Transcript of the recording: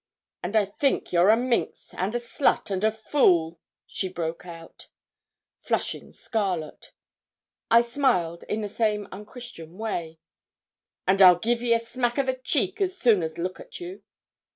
'And I think you're a minx, and a slut, and a fool,' she broke out, flushing scarlet. I smiled in the same unchristian way. 'And I'd give ye a smack o' the cheek as soon as look at you.'